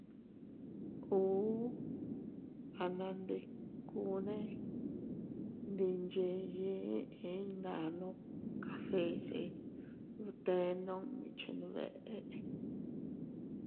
Ùu anandikuune ndi nyeyee eʼe iynannu cafèse se bte nunni chenbeʼe.